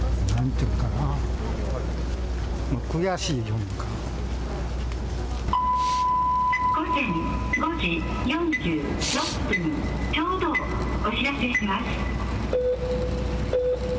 午前５時４６分ちょうどをお伝えします。